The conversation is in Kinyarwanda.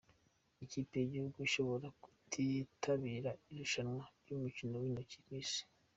Ikipe yigihugu ishobora kutitabira irushanwa ryumukino wintoki k’isi